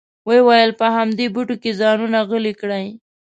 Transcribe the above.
وې ویل په همدې بوټو کې ځانونه غلي کړئ.